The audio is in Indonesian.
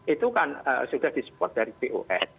itu kan sudah disupport dari pos